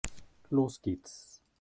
Los geht's!